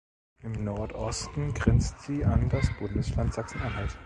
Im Nordosten grenzt sie an das Bundesland Sachsen-Anhalt.